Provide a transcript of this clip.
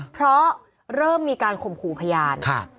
เพราะเริ่มมีการข่มขู่พยาน